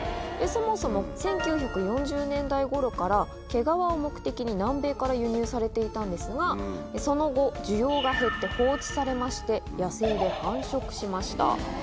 そもそも１９４０年代ごろから毛皮を目的に南米から輸入されていたんですが、その後、需要が減って放置されまして、野生で繁殖しました。